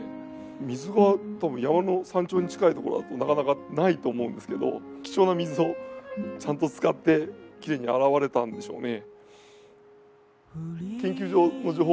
水が多分山の山頂に近いところだとなかなかないと思うんですけど貴重な水をちゃんと使ってきれいに洗われたんでしょうね。